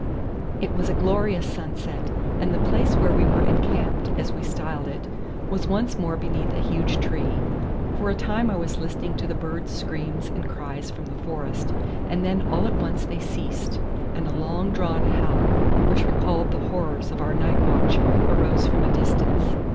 It was a glorious sunset, and the place where we were encamped, as we styled it, was once more beneath a huge tree. For a time I was listening to the birds' screams and cries from the forest, and then all at once they ceased, and a long drawn howl, which recalled the horrors of our night watch, arose from a distance.